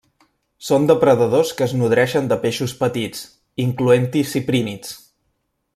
Són depredadors que es nodreixen de peixos petits, incloent-hi ciprínids.